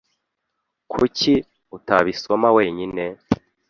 Kuki utabisoma wenyine?